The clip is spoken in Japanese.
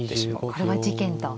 これは事件と。